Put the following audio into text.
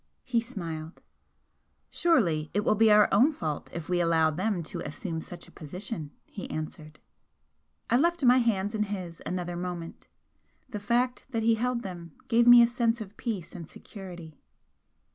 He smiled. "Surely it will be our own fault if we allow them to assume such a position!" he answered. I left my hands in his another moment. The fact that he held them gave me a sense of peace and security.